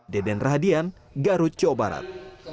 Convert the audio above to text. deden rahadian garut jawa barat